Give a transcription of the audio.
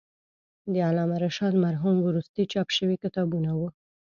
د علامه رشاد مرحوم وروستي چاپ شوي کتابونه و.